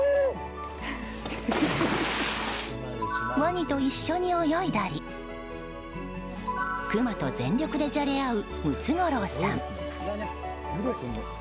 ワニと一緒に泳いだりクマと全力でじゃれ合うムツゴロウさん。